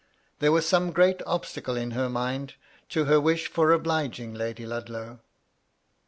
There was some great obstacle in her mind to her wish for obliging Lady Ludlow.